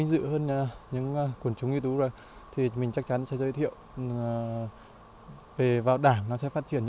những lợi ích hơn